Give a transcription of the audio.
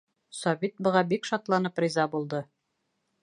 Сабит быға бик шатланып риза булды.